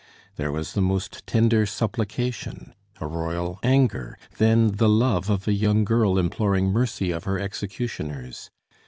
There was the most tender supplication, a royal anger, then the love of a young girl imploring mercy of her executioners.